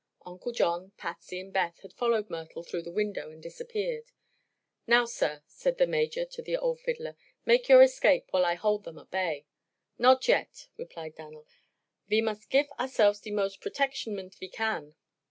Uncle John, Patsy and Beth had followed Myrtle through the window and disappeared. "Now, sir," said the Major to the old fiddler, "make your escape while I hold them at bay." "Nod yet," replied Dan'l. "Ve must gif ourselves de most protectionment ve can."